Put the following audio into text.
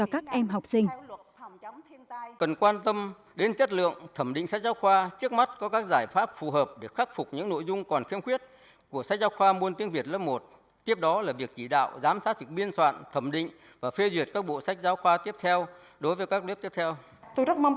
các em học sinh cần quan tâm đến chất lượng thẩm định sách giáo khoa trước mắt có các giải pháp phù hợp để khắc phục những nội dung còn khiêm khuyết của sách giáo khoa môn tiếng việt lớp một tiếp đó là việc chỉ đạo giám sát việc biên soạn thẩm định và phê duyệt các bộ sách giáo khoa tiếp theo đối với các lớp tiếp theo